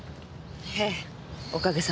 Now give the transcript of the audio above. ええおかげさまで。